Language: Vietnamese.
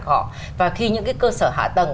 của họ và khi những cái cơ sở hạ tầng